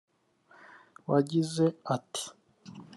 wagize ati